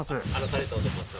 金藤と申します